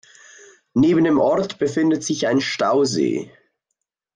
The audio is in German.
Neben dem Ort befindet sich ein Stausee.